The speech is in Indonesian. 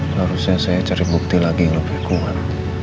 harusnya saya cari bukti lagi yang lebih kuat